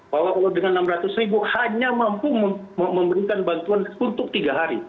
kalau dengan rp enam ratus hanya mampu memberikan bantuan untuk tiga hari